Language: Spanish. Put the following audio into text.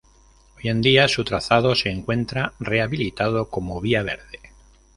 Hoy en día su trazado se encuentra rehabilitado como vía verde.